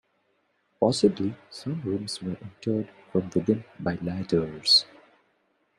Possibly some rooms were entered from within by ladders.